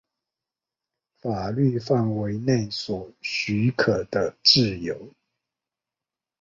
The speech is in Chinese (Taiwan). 法律範圍內所許可的自由